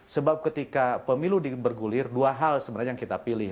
sebab ketika pemilu bergulir dua hal sebenarnya yang kita pilih